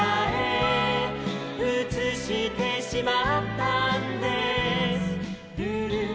「うつしてしまったんですル・ル」